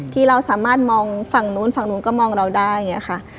ที่เราสามารถมองฝั่งนู้นฝั่งนู้นก็มองเราได้อย่างนี้ค่ะ